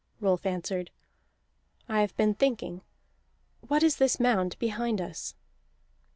Rolf answered: "I have been thinking. What is this mound behind us?"